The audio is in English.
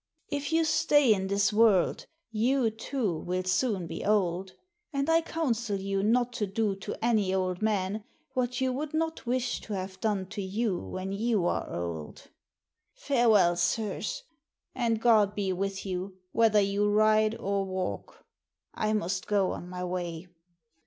If you stay in this world, you, too, will soon be old ; and I counsel you not to do to any old man what you would not wish to have done to you when you are old. Farewell, sirs, and God be with you whether you ride or walk. I must go on my way."